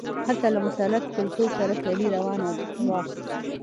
هلته له مسلط کلتور سره سیالي روانه وه.